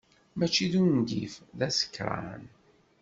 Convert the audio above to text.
Mačči d ungif, d asekṛan.